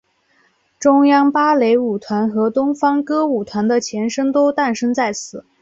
中央芭蕾舞团和东方歌舞团的前身都诞生在此。